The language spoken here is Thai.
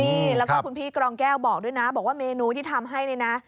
นี่แล้วก็คุณพี่กรองแก้วบอกด้วยนะบอกว่าเมนูที่ทำให้นี่นะ